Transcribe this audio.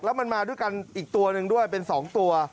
แล้วมันมาด้วยกันอีกตัวหนึ่งด้วยเป็น๒ตัว